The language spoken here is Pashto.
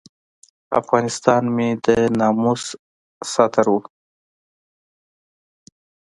افغانستان مې د ناموس ستر و.